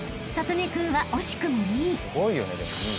［智音君は惜しくも２位］